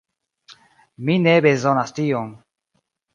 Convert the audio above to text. Mi ne bezonas tion.